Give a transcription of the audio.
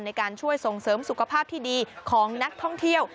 ในการช่วยส่งเสริมสุขภาพที่ดีของนักท่องเที่ยว